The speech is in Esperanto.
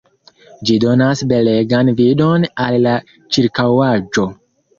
Ĝi donas belegan vidon al la ĉirkaŭaĵo.